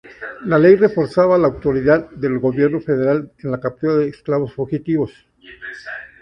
La ley reforzaba la autoridad del gobierno federal en la captura de esclavos fugitivos.